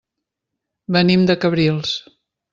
Venim de Cabrils.